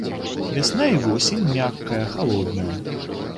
Вясна і восень мяккая халодная.